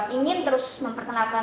ingin terus memperkenalkan